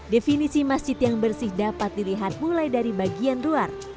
definisi masjid yang bersih dapat dilihat mulai dari bagian luar